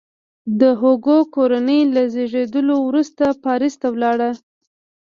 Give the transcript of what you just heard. د هوګو کورنۍ له زیږېدلو وروسته پاریس ته ولاړه.